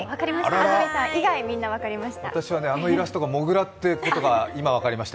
安住さん以外みんな分かりました。